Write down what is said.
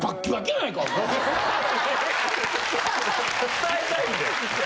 伝えたいんで。